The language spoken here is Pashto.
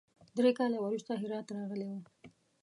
درې کاله وروسته هرات راغلی وي.